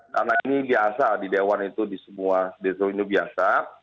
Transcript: karena ini biasa di dewan itu di semua deso ini biasa